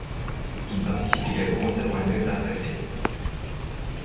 Il participe également au Salon annuel d’art sacré.